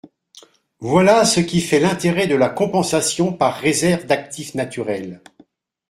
Voilà ce qui fait l’intérêt de la compensation par réserve d’actifs naturels.